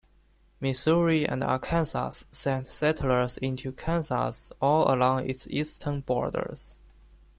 Missouri and Arkansas sent settlers into Kansas all along its eastern border.